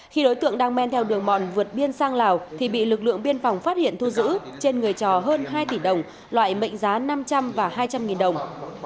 khi đối tượng đang men theo đường mòn vượt biên sang lào thì bị lực lượng biên phòng phát hiện thu giữ trên người trò hơn hai tỷ đồng loại mệnh giá năm trăm linh và hai trăm linh nghìn đồng